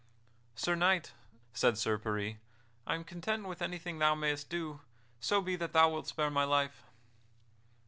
"Sir Knight," said Sir Peris, "I am content with anything thou mayst do, so be that thou wilt spare my life."